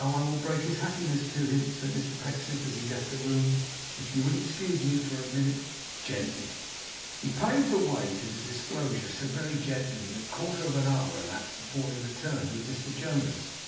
I will break this happiness to him,' said Mr Pecksniff, as he left the room, 'if you will excuse me for a minute gently.' He paved the way to the disclosure so very gently, that a quarter of an hour elapsed before he returned with Mr Jonas.